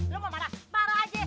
lu mau marah marah aja ya